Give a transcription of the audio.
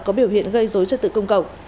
có biểu hiện gây dối trực tự công cộng